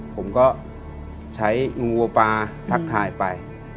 ผมก็ใช้งูปลาทักทายไป